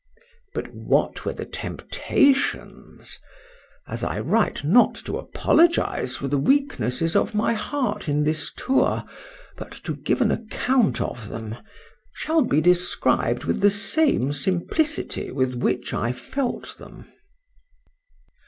— —But what were the temptations (as I write not to apologize for the weaknesses of my heart in this tour,—but to give an account of them)—shall be described with the same simplicity with which I felt them.